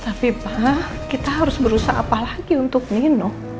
tapi pak kita harus berusaha apa lagi untuk minum